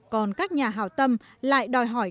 còn các nhà hào tâm lại đòi hỏi các người